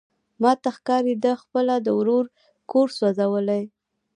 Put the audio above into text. ماته ښکاري ده خپله د ورور کور سوزولی.